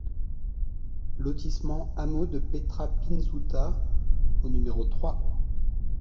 Lotissement Hameaux de Petra Pinzuta au numéro trois